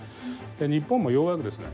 日本もようやくですね